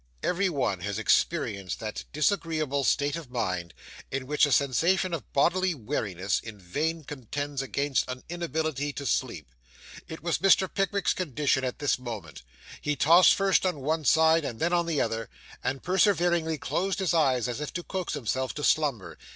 Every one has experienced that disagreeable state of mind, in which a sensation of bodily weariness in vain contends against an inability to sleep. It was Mr. Pickwick's condition at this moment: he tossed first on one side and then on the other; and perseveringly closed his eyes as if to coax himself to slumber.